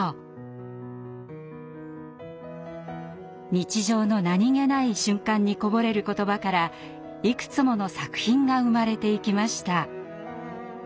日常の何気ない瞬間にこぼれる言葉からいくつもの作品が生まれていきました。